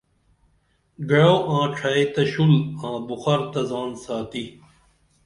گعوآں ڇھئی تہ شُل آں بُخار تہ زان ساتی